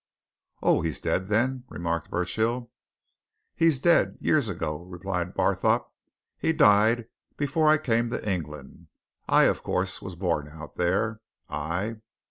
"Oh he's dead, then?" remarked Burchill. "He's dead years ago," replied Barthorpe. "He died before I came to England. I, of course, was born out there. I